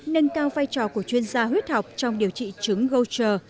nâng cao vai trò của chuyên gia huyết học trong điều trị chứng goldre